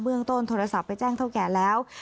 ต้นโทรศัพท์ไปแจ้งเท่าแก่แล้ว